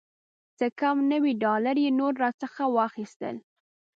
څه کم نوي ډالره یې نور راڅخه واخیستل.